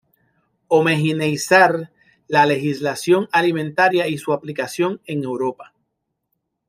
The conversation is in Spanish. Homogeneizar la legislación alimentaria y su aplicación en Europa.